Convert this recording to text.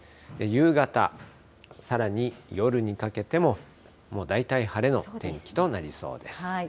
夕方、さらに夜にかけてももう大体晴れの天気となりそうです。